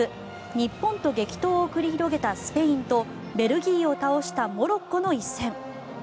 日本と激闘を繰り広げたスペインとベルギーを倒したモロッコの一戦。